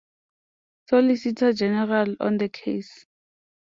Solicitor General on the case.